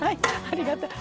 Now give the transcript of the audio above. ありがとう。